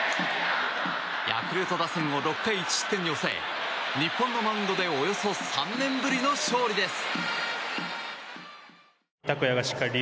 ヤクルト打線を６回１失点に抑え日本のマウンドでおよそ３年ぶりの勝利です！